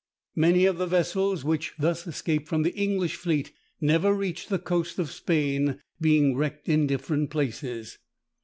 Many of the vessels which thus escaped from the English fleet, never reached the coast of Spain, being wrecked in different places.